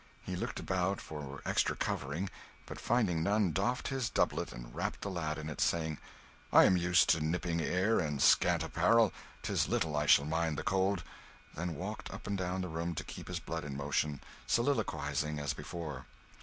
He looked about for extra covering, but finding none, doffed his doublet and wrapped the lad in it, saying, "I am used to nipping air and scant apparel, 'tis little I shall mind the cold!" then walked up and down the room, to keep his blood in motion, soliloquising as before.